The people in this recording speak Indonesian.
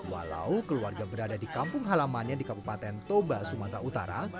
walau keluarga berada di kampung halamannya di kabupaten toba sumatera utara